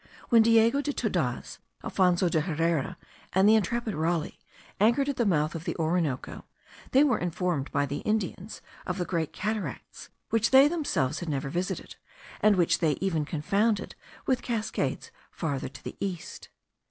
When Diego de Todaz, Alfonzo de Herrera, and the intrepid Raleigh, anchored at the mouth of the Orinoco, they were informed by the Indians of the Great Cataracts, which they themselves had never visited, and which they even confounded with cascades farther to the east.